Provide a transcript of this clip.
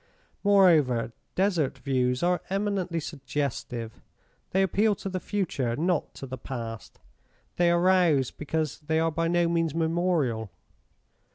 Moreover, Desert views are eminently suggestive; they [p.149]appeal to the Future, not to the Past: they arouse because they are by no means memorial.